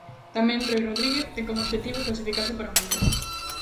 Tamén Roi Rodríguez ten como obxectivo clasificarse para o mundial.